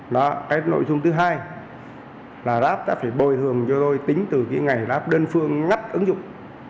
đó cái nội dung thứ hai là grab sẽ phải bồi thường cho tôi tính từ cái ngày grab đơn phương ngắt ứng dụng